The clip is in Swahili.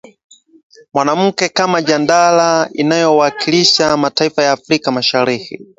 Mwanamke kama jazanda inayowakilisha mataifa ya Afrika Mashariki